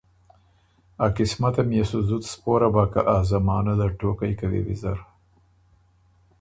ا قسمتم يې سُو زُت سپوره بۀ که ازمانۀ ده ټوقئ کوی ویزر۔